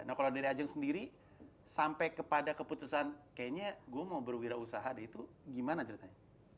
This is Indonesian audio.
nah kalau dari ajeng sendiri sampai kepada keputusan kayaknya gue mau berwirausaha deh itu gimana ceritanya